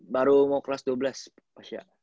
baru mau kelas dua belas pasya